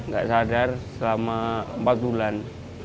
gak sadar selama empat bulan